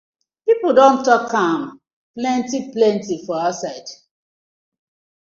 Pipu don tok am plenty plenty for outside.